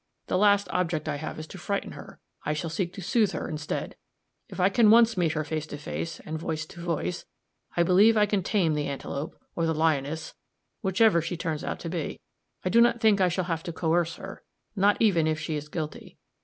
The last object I have is to frighten her; I shall seek to soothe her instead. If I can once meet her face to face, and voice to voice, I believe I can tame the antelope, or the lioness, whichever she turns out to be. I do not think I shall have to coerce her not even if she is guilty.